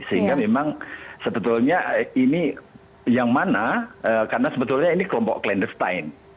sehingga memang sebetulnya ini yang mana karena sebetulnya ini kelompok klenders time